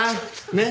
ねっ？